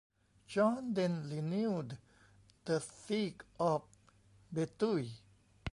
John then renewed the siege of Breteuil.